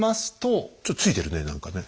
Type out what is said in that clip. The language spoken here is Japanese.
ちょっとついてるね何かね。